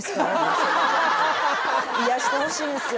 それは癒やしてほしいんですよ